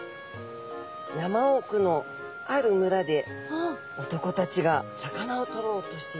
やまおくのある村で男たちが魚をとろうとしていました。